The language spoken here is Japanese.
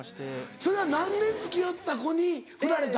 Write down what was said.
それは何年付き合った子にふられた？